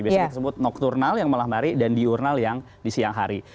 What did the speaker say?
biasanya disebut nocturnal yang malam hari dan diurnal yang di siang hari